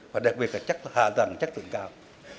và đặc biệt là hạ tầng chất lượng cao